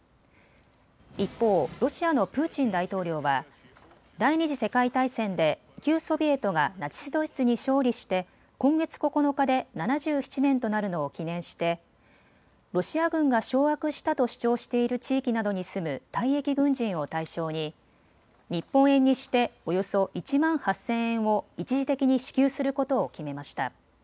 一方、ロシアのプーチン大統領は第２次世界大戦で旧ソビエトがナチス・ドイツに勝利して今月９日で７７年となるのを記念してロシア軍が掌握したと主張している地域などに住む退役軍人を対象に日本円にしておよそ１万８０００円を一時的に支給することを決めました。